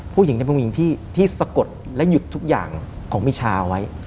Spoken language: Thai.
ผู้หญิงเป็นผู้หญิงที่สะกดและหยุดทุกอย่างของมิชาเอาไว้